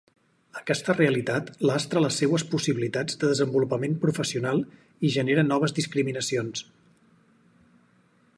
Aquesta realitat lastra les seues possibilitats de desenvolupament professional i genera noves discriminacions.